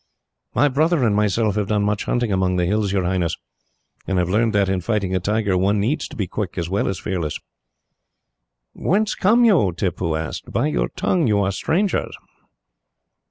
"My brother and myself have done much hunting among the hills, your Highness, and have learned that, in fighting a tiger, one needs to be quick as well as fearless." "Whence come you?" Tippoo asked. "By your tongue, you are strangers."